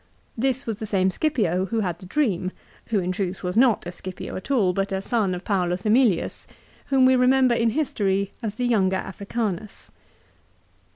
This was the same Scipio who had the dream, who in truth was not a Scipio at all, but a son of Paulus ^milius, whom we remember in history as the younger Africanus.